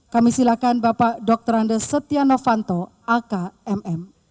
kami silakan bapak dr andes setia novanto akmm